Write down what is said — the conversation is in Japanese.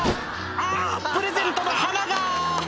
「あぁプレゼントの花が！」